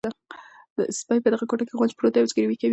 سپي په دغه کوټه کې غونج پروت دی او زګیروی کوي.